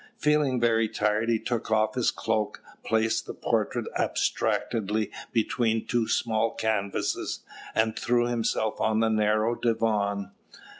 Feeling very tired, he took off his cloak, placed the portrait abstractedly between two small canvasses, and threw himself on the narrow divan.